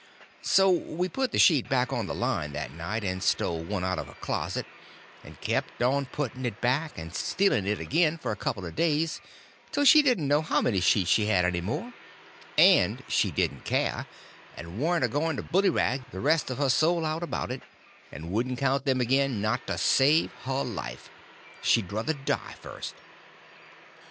So we put the sheet back on the line that night, and stole one out of her closet; and kept on putting it back and stealing it again for a couple of days till she didn't know how many sheets she had any more, and she didn't care, and warn't a going to bullyrag the rest of her soul out about it, and wouldn't count them again not to save her life; she druther die first.